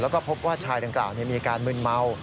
ก็พบว่าชายดังกล่าวมีการหมื่นเมา